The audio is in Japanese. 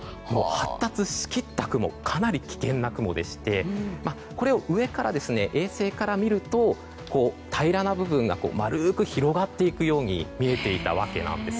発達しきった雲かなり危険な雲でしてこれを上から衛星から見ると平らな部分が丸く広がっていくように見えていたわけなんです。